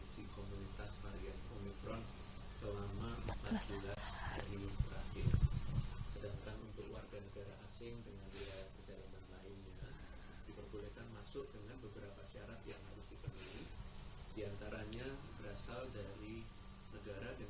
serta pemenuhan hak warga negara